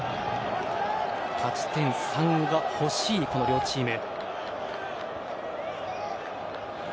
勝ち点３が欲しい両チーム。